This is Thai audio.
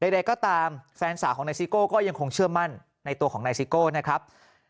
ใดก็ตามแฟนสาวของนายซิโก้ก็ยังคงเชื่อมั่นในตัวของนายซิโก้นะครับ